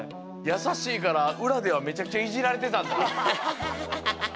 やさしいからうらではめちゃくちゃいじられてたんだ。